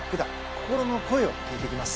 心の声を聞いていきます。